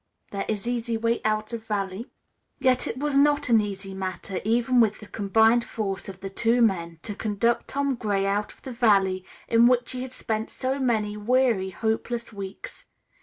There is easy way out of valley." Yet it was not an easy matter, even with the combined force of the two men, to conduct Tom Gray out of the valley in which he had spent so many weary, hopeless weeks.